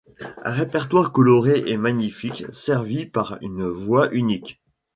Un répertoire coloré et magnifique, servi par une voix unique.